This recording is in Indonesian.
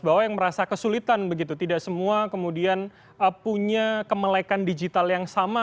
bawah yang merasa kesulitan begitu tidak semua kemudian apunya kemelekan digital yang sama